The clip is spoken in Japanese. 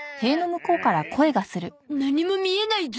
何も見えないゾ。